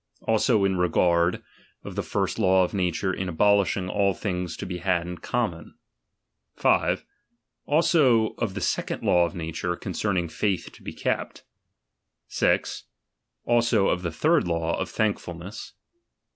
Also in regard of [he first law of nature in abolishing all things to be had id common. 5. Also of the second law of nature, concerning faith to be kept. 6. Also of the third law, of thankfulness.